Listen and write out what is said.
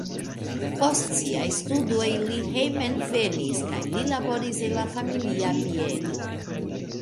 Post siaj studoj li hejmenvenis kaj li laboris en la familia bieno.